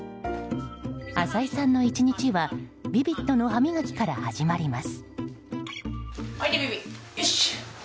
浅井さんの１日はヴィヴィッドの歯磨きから始まります。